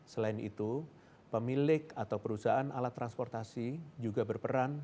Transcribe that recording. selain itu pemilik atau perusahaan alat transportasi juga berperan